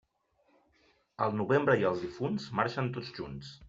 El novembre i els difunts marxen tots junts.